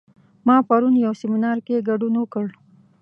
ما پرون یو سیمینار کې ګډون وکړ